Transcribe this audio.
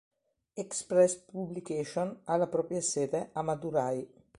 Express Publications ha la propria sede a Madurai.